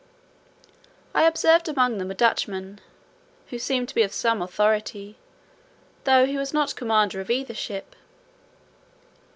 I observed among them a Dutchman, who seemed to be of some authority, though he was not commander of either ship.